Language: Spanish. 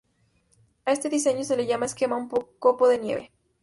A este diseño se le llama esquema en copo de nieve.